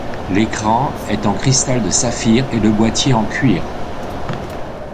L'écran est en cristal de saphir et le boitier en cuir.